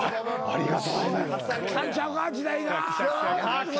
ありがとうございます。